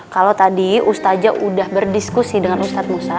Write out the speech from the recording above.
kalau tadi ustadznya udah berdiskusi dengan ustadz musa